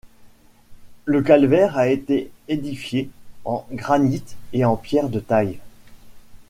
Le calvaire a été édifié en granite et en pierre de taille.